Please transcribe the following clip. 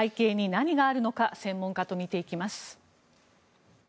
背景に何があるのか専門家と見ていきます。